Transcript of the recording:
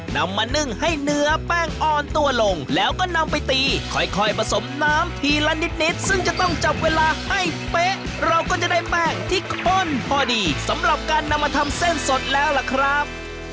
นำมานึ่งให้เนื้อแป้งอ่อนตัวลงแล้วก็นำไปตีค่อยผสมน้ำทีละนิดซึ่งจะต้องจับเวลาให้เป๊ะเราก็จะได้แป้งที่ข้นพอดีสำหรับการนำมาทำเส้นสดแล้วล่ะครับ